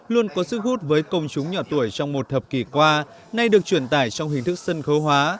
luôn có sức hút với công chúng nhỏ tuổi trong một thập kỷ qua nay được truyền tải trong hình thức sân khấu hóa